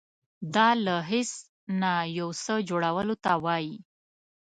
دا له هیڅ نه یو څه جوړولو ته وایي.